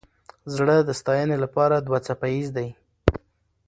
زړه د ستاینې لپاره دوه څپه ایز دی.